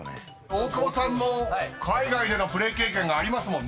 ［大久保さんも海外でのプレー経験がありますもんね］